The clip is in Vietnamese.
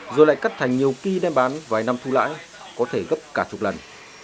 rồi lại cắt thành nhiều kỳ đem bán vài năm thu lãi có thể gấp cả chục lần